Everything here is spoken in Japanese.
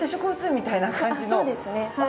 そうですねはい。